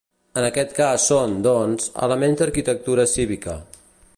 En aquest cas són, doncs, elements d'arquitectura cívica.